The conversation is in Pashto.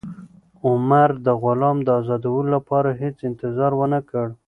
عمر د غلام د ازادولو لپاره هېڅ انتظار ونه کړ.